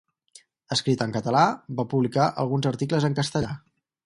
Escrita en català, va publicar alguns articles en castellà.